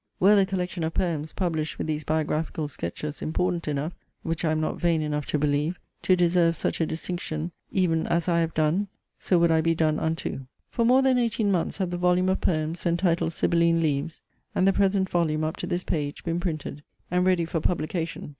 Were the collection of poems, published with these biographical sketches, important enough, (which I am not vain enough to believe,) to deserve such a distinction; even as I have done, so would I be done unto. For more than eighteen months have the volume of Poems, entitled SIBYLLINE LEAVES, and the present volume, up to this page, been printed, and ready for publication.